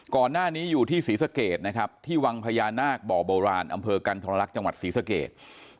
ก่อนหน้านี้อยู่ที่ศรีสะเกดนะครับที่วังพญานาคบ่อโบราณอำเภอกันทรลักษณ์จังหวัดศรีสเกต